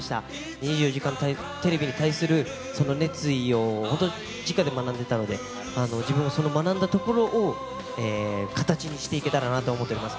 ２４時間テレビに対するその熱意を本当にじかで学んでいたので、自分はその学んだところを、形にしていけたらなと思っております。